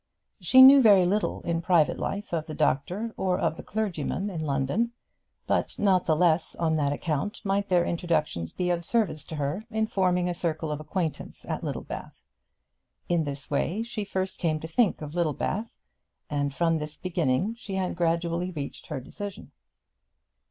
She knew very little in private life of the doctor or of the clergyman in London, but not the less, on that account, might their introductions be of service to her in forming a circle of acquaintance at Littlebath. In this way she first came to think of Littlebath, and from this beginning she had gradually reached her decision.